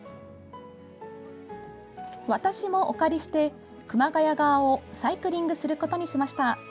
私もお借りして、熊谷側をサイクリングすることにしました。